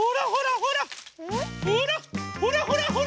ほらほらほら！